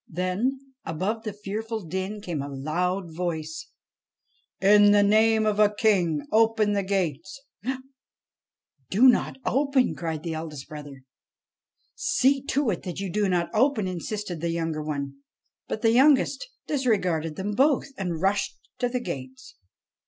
Then above the fearful din came a loud voice :' In the name of a King, open the gates !'' Do not open 1 ' cried the eldest brother. ' See to it that you do not open !' insisted the younger one. But the youngest disregarded them both, and rushed to the gates.